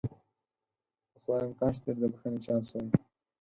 اوس وایم کاش ترې د بخښنې چانس وای.